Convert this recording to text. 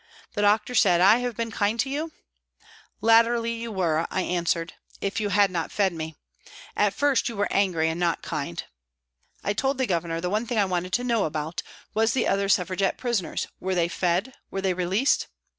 The doctor said, " I have been kind to you ?"" Latterly you were," I answered, " if you had not fed me. At first you were angry and not kind." I told the Governor that the one thing I wanted to know about was the other Suffra gette prisoners, were they fed were they released